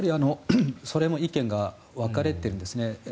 それも意見が分かれているんですね。